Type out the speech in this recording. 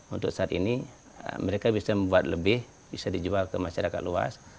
untuk saat ini mereka bisa membuat lebih bisa dijual ke masyarakat luas